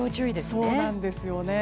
そうなんですよね。